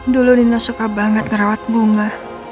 dulu nino suka banget ngerawat bunga